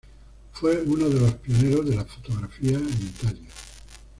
Fue uno de los pioneros de la fotografía en Italia.